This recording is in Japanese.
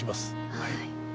はい。